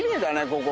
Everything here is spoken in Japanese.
ここ。